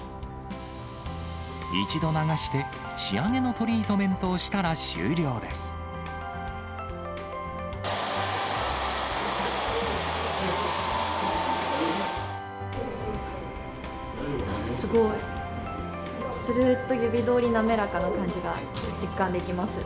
一度流して、仕上げのトリートメントをしたら終了です。